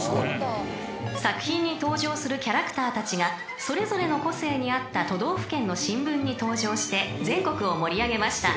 ［作品に登場するキャラクターたちがそれぞれの個性に合った都道府県の新聞に登場して全国を盛り上げました］